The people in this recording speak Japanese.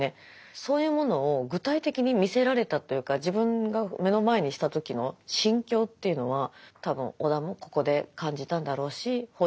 そういうものを具体的に見せられたというか自分が目の前にした時の心境というのは多分尾田もここで感じたんだろうし北條